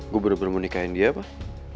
gue bener bener mau nikahin dia pak